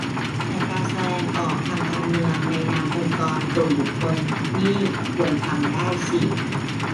แต่การแสดงออกทางการเมืองในนามองค์กร-กลุ่มบุคคลนี่ควรทำได้สิ